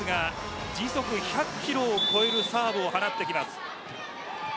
バルガスは時速１００キロを超えるサーブを放ってきます。